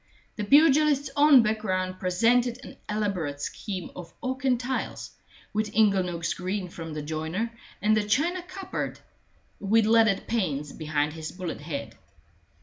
The pugilist's own background presented an elaborate scheme of oak and tiles, with inglenooks green from the joiner, and a china cupboard with leaded panes behind his bullet head.